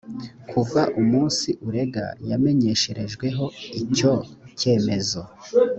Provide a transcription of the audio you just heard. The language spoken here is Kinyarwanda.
kuva umunsi urega yamenyesherejweho icyo cyemezo